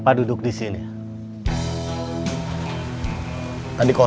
tidak ada yang bisa dikunci